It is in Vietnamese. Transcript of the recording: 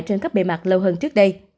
trên các bề mặt lâu hơn trước đây